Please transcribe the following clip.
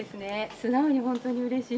素直に本当にうれしい。